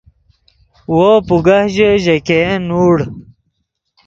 وو پوگہ ژے، ژے ګین نوڑ